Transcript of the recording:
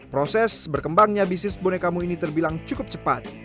proses berkembangnya bisnis bonekamu ini terbilang cukup cepat